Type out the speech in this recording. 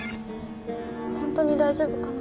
ホントに大丈夫かな？